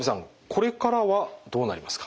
これからはどうなりますか？